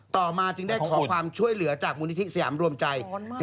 ต่อมาจึงได้ขอความช่วยเหลือจากมูลนิธิสยามรวมใจ